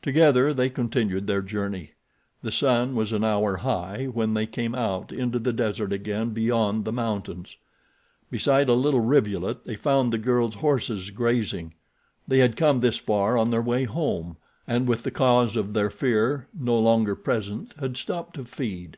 Together they continued their journey. The sun was an hour high when they came out into the desert again beyond the mountains. Beside a little rivulet they found the girl's horses grazing. They had come this far on their way home, and with the cause of their fear no longer present had stopped to feed.